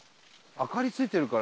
明かりついてるから。